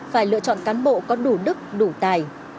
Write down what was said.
phải lựa chọn cán bộ có đủ đức đủ tài